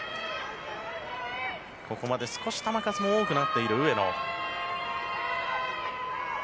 ここまで少し球数も多くなっている上野。